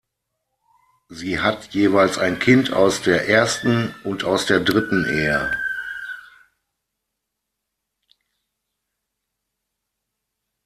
Sie hat jeweils ein Kind aus der ersten und aus der dritten Ehe.